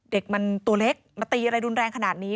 เด็กมันตัวเล็กมาตีอะไรรุนแรงขนาดนี้